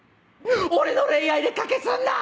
俺の恋愛で賭けすんな！